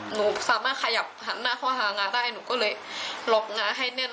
หนูสามารถขยับหันหน้าเขาหางาได้หนูก็เลยหลบงาให้แน่น